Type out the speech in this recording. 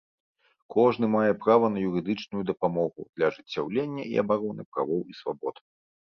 Кожны мае права на юрыдычную дапамогу для ажыццяўлення і абароны правоў і свабод.